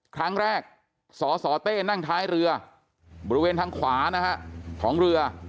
ครั้งแรกสสเต้นั่งท้ายเรือบริเวณทางขวานะฮะของเรือ